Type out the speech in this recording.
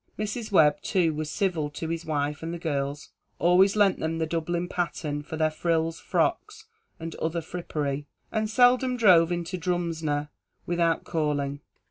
Mrs. Webb too was civil to his wife and the girls always lent them the Dublin pattern for their frills, frocks, and other frippery and seldom drove into Drumsna without calling.